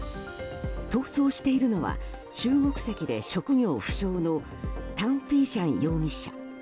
逃走しているのは中国籍で職業不詳のタン・フィーシャン容疑者。